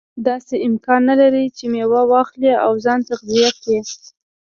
داسې امکان نه لري چې میوه واخلي او ځان تغذیه کړي.